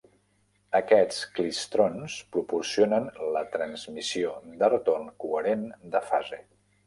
Aquests clistrons proporcionen la transmissió de retorn coherent de fase.